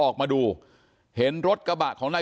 ก็ได้รู้สึกว่ามันกลายเป้าหมาย